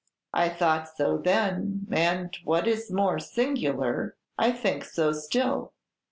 "I thought so then, and, what is more singular, I think so still."